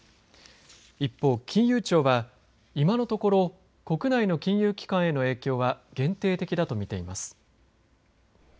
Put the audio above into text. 一方、金融庁は今のところ国内の金融機関への影響は限定的だと見ています。